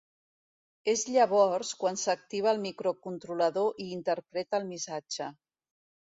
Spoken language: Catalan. És llavors quan s'activa el microcontrolador i interpreta el missatge.